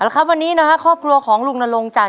ครับวันนี้นะครับครอบครัวของลุงนรงจาก